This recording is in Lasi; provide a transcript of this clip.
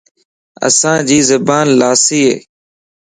اسان جي زبان لاسيَ